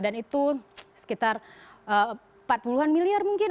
dan itu sekitar empat puluh an miliar mungkin